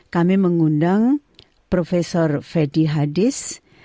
kami mengundang prof fedy hadis